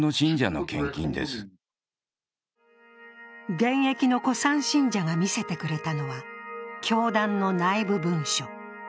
現役の古参信者が見せてくれたれのは教団の内部文書。